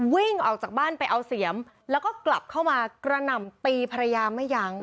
วิ่งออกจากบ้านไปเอาเสียมแล้วก็กลับเข้ามากระหน่ำตีภรรยาไม่ยั้ง